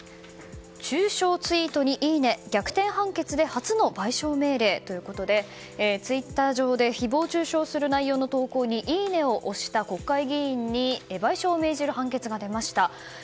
中傷ツイートにいいね逆転判決で初の賠償命令ということでツイッター上で誹謗中傷する内容の投稿にいいねを押した国会議員に賠償を命じる判決が出ました。